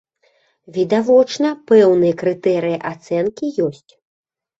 Відавочна, пэўныя крытэрыі ацэнкі ёсць.